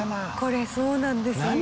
これそうなんです。